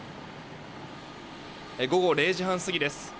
午後０時半過ぎです。